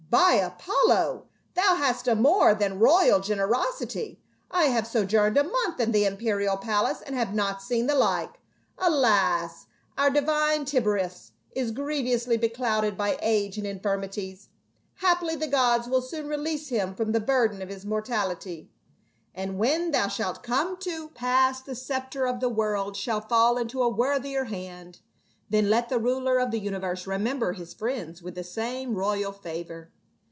" By Apollo ! Thou hast a more than royal gen erosity ; I have sojourned a month in the imperial palace and have not seen the like. Alas ! our divine Tiberius is grievously beclouded by age and infirmi ties ; haply the gods will soon release him from the burden of his mortality, and when that shall come to THE SOOTHSA YEH. 35 pass the sceptre of the world shall fall into a worthier hand. Then let the ruler of the universe remember his friends with the same royal favor."